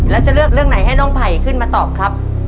แล้วจะเลือกเรื่องไหนให้น้องไผ่ขึ้นมาตอบครับ